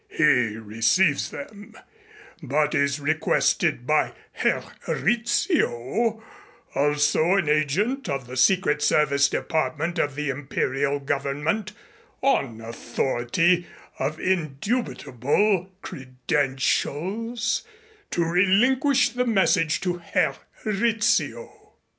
He receives them, but is requested by Herr Rizzio, also an agent of the Secret Service Department of the Imperial Government, on authority of indubitable credentials, to relinquish the message to Herr Rizzio.